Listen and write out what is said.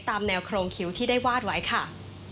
ตามแนวโครงคิวที่ได้วาดไว้ค่ะ